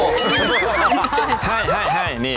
ไทนี่